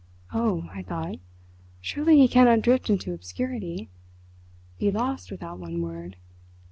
"Oh," I thought, "surely he cannot drift into obscurity—be lost without one word!